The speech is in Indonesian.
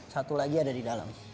satu lagi ada di dalam